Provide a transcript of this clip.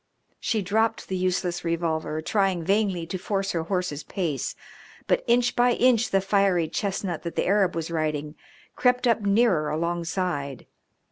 She dropped the useless revolver, trying vainly to force her horse's pace, but inch by inch the fiery chestnut that the Arab was riding crept up nearer alongside.